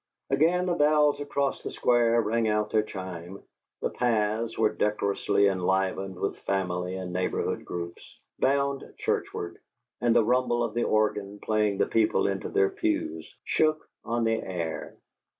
Again the bells across the Square rang out their chime. The paths were decorously enlivened with family and neighborhood groups, bound churchward; and the rumble of the organ, playing the people into their pews, shook on the air.